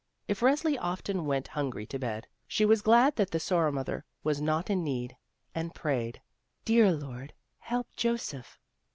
If Resli often went himgry to bed, she was glad that the Sorrow mother was not in need, and prayed: "Dear Lord, help Joseph!"